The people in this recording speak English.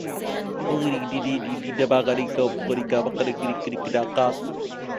He began working under head coach Tom Webster.